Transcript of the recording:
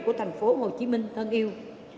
của thành phố hồ chí minh thân yêu